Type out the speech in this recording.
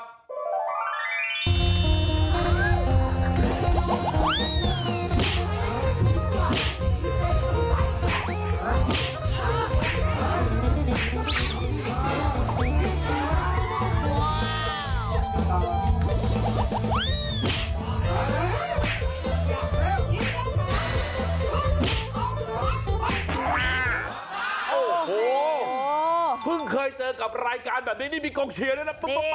โถโหเพิ่งเคยจัดการแบบนี้มีกองเชียร์ด้วยนะ